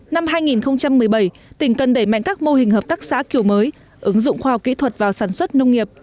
năm hai nghìn một mươi bảy tỉnh cần đẩy mạnh các mô hình hợp tác xã kiểu mới ứng dụng khoa học kỹ thuật vào sản xuất nông nghiệp